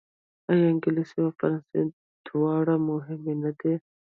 آیا انګلیسي او فرانسوي دواړه مهمې نه دي؟